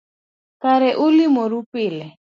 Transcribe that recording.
Kare ulimoru pile